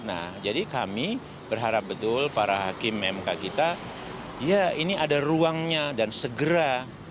nah jadi kami berharap betul para hakim mk kita ya ini ada ruangnya dan segera